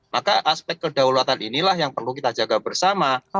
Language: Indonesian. maka aspek kedaulatan inilah yang perlu kita jaga bersama